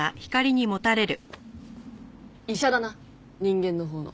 医者だな人間のほうの。